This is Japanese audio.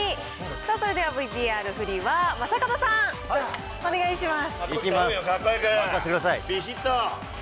それではＶＴＲ振りは正門さん、お願いします。